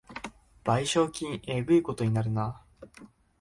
賠償金えぐいことになるな